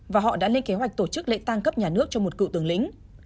và họ đã lên kế hoạch tổ chức lệ tăng cấp nhà nước cho một cựu tường lĩnh